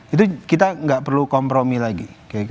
itu kita nggak perlu kompromi lagi